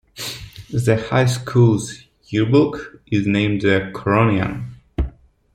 The high school's yearbook is named the "Coronian".